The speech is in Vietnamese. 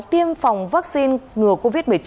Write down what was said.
tiêm phòng vaccine ngừa covid một mươi chín